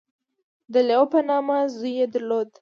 • د لیو په نامه زوی یې درلود.